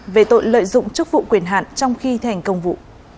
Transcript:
về tội lợi dụng chức vụ quyền hạn trong khi thi hành công vụ